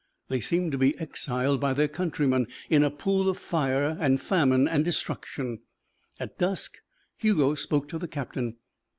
They seemed to be exiled by their countrymen in a pool of fire and famine and destruction. At dusk Hugo spoke to the captain.